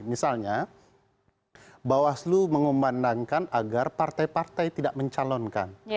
misalnya bawaslu mengumandangkan agar partai partai tidak mencalonkan